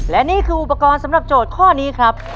และนี่คืออุปกรณ์สำหรับโจทย์ข้อนี้ครับ